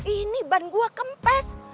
ini ban gue kempes